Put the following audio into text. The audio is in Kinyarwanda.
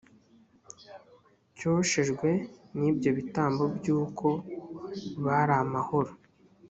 cyoshejwe n ibyo bitambo by uko bari amahoro